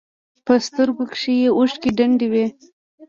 په سترګو کښې يې اوښکې ډنډ وې.